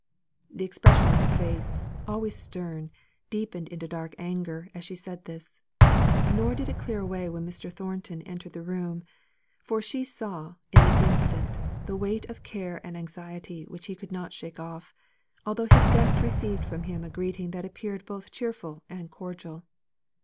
The expression on her face, always stern, deepened into dark anger, as she said this. Nor did it clear away when Mr. Thornton entered the room; for she saw in an instant, the weight of care and anxiety which he could not shake off, although his guests received from him a greeting that appeared both cheerful and cordial.